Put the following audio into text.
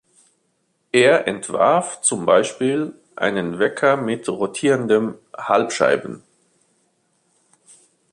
Er entwarf zum Beispiel einen Wecker mit rotierenden Halb-Scheiben.